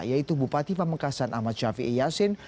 yaitu bupati pamekasan ahmad syafi'i yasin